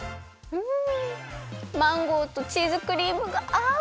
うん！